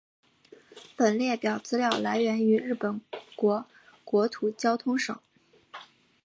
本列表资料来自于日本国国土交通省。